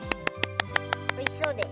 おいしそうです。